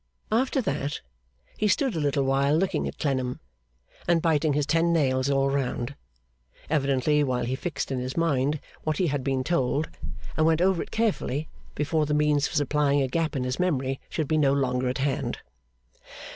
After that, he stood a little while looking at Clennam, and biting his ten nails all round; evidently while he fixed in his mind what he had been told, and went over it carefully, before the means of supplying a gap in his memory should be no longer at hand.